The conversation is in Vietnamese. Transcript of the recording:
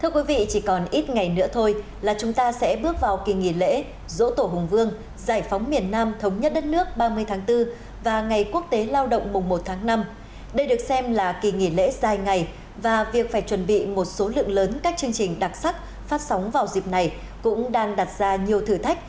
chào mừng quý vị khán giả đến với chương trình antv kết nối tuần này